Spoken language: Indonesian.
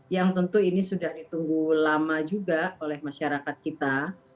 yang tentu ini sudah ditunggu lama juga oleh masyarakat kita